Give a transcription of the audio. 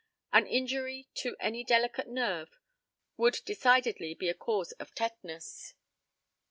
An injury to any delicate nerve would decidedly be a cause of tetanus.